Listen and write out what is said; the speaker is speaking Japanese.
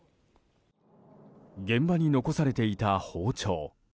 現場に残されていた包丁。